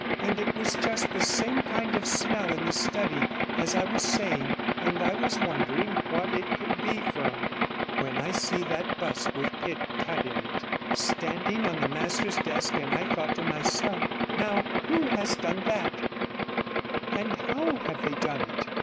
And it was just the same kind of smell in the study, as I was saying, and I was wondering what it could be from, when I see that bust with Pitt cut in it, standing on the master's desk, and I thought to myself, 'Now who has done that, and how have they done it?